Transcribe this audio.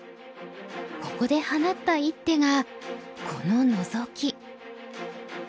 ここで放った一手がこのノゾキ。